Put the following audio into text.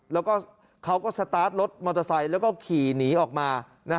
แล้วก็เขาก็สตาร์ทรถมอเตอร์ไซค์แล้วก็ขี่หนีออกมา